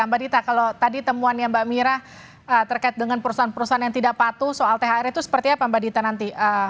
mbak dita kalau tadi temuannya mbak mira terkait dengan perusahaan perusahaan yang tidak patuh soal thr itu seperti apa mbak dita nanti